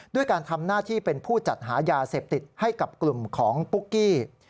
ด้วยการทำหน้าที่เป็นผู้จัดหายาเสพติดให้กับกลุ่มของปุ๊กกี้